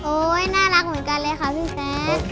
โอ้ยน่ารักเหมือนกันเลยค่ะพี่แซ็ก